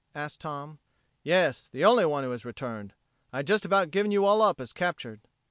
asked Tom. "Yes the only one who has returned. I had just about given you all up as captured."